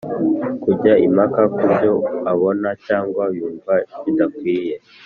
Kujya impaka ku byo abona Cyangwa yumva bidakwiye